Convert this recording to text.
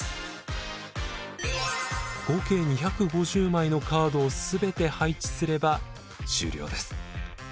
合計２５０枚のカードを全て配置すれば終了です。